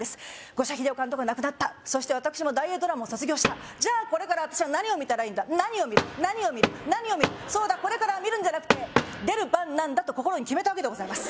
社英雄監督は亡くなったそして私も大映ドラマを卒業したじゃあこれから私は何を見たらいいんだ何を見る何を見る何を見るそうだこれからは見るんじゃなくて出る番なんだと心に決めたわけでございます